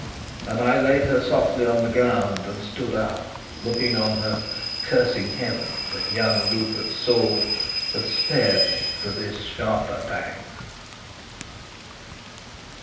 And I laid her softly on the ground, and stood up, looking on her, cursing heaven that young Rupert's sword had spared me for this sharper pang.